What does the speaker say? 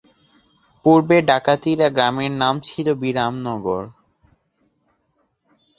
পুর্বে ডাকাতিয়া গ্রামের নাম ছিল বিরামনগর।